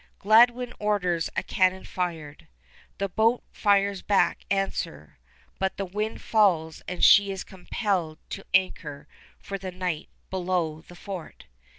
Gladwin orders a cannon fired. The boat fires back answer, but the wind falls and she is compelled to anchor for the night below the fort.